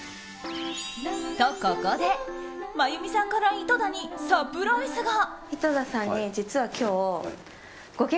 と、ここで真弓さんから井戸田にサプライズが。